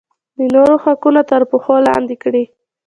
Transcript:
د نورو حقوق تر پښو لاندې کړي.